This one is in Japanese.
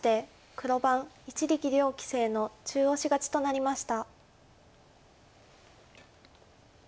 黒番一力棋聖の中押し勝ちとなりました。